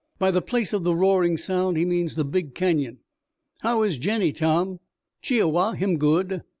By 'the place of the roaring sound' he means the big Canyon. How is Jennie, Tom?" "Chi i wa him good."